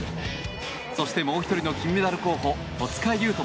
そしてもう１人の金メダル候補戸塚優